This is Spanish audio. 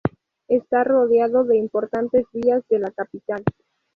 Está rodeado de importantes vías de la capital.